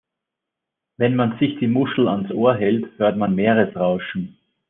Wenn man sich die Muschel ans Ohr hält, hört man Meeresrauschen.